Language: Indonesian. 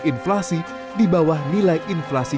inflasi di bawah nilai inflasi